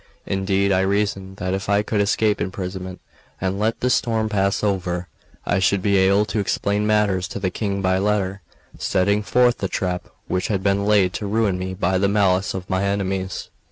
Indeed, I reasoned that if I could escape imprisonment and let the storm pass over, I should be able to explain matters to the King by letter, setting forth the trap which had been laid to ruin me by the malice of my enemies.